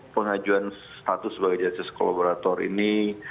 pengajuan status sebagai jasis kolaborator ini